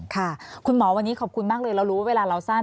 ค่ะคุณหมอวันนี้ขอบคุณมากเลยเรารู้เวลาเราสั้น